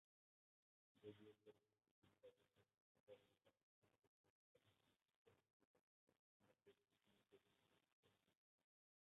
যদিও পরবর্তীতে নিরাপত্তাজনিত কারণে পাকিস্তানের ও পরিকাঠামো সহযোগিতায় আফগানিস্তানের বেশ কিছু ম্যাচ এখানে আয়োজিত হতে থাকে।